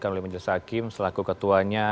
oleh majelis hakim selaku ketuanya